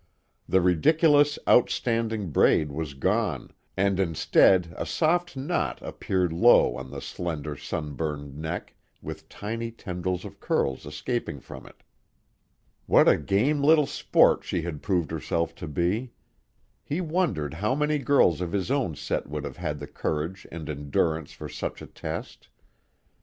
The ridiculous, outstanding braid was gone, and instead, a soft knot appeared low on the slender, sun burned neck, with tiny tendrils of curls escaping from it. What a game little sport she had proved herself to be! He wondered how many girls of his own set would have had the courage and endurance for such a test.